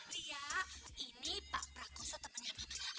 lia ini pak prakoso temannya mama